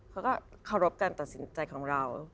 เขาก็เคารพการตัดสินใจของเรา